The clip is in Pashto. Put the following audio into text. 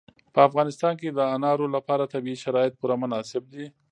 په افغانستان کې د انارو لپاره طبیعي شرایط پوره مناسب دي.